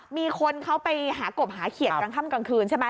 มีคนเขาไปหากบหาเขียดกลางค่ำกลางคืนใช่ไหม